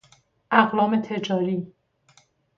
اقلام تجاری